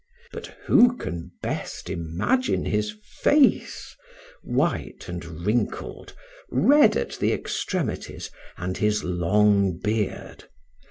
But who can best imagine his face white and wrinkled, red at the extremities, and his long beard.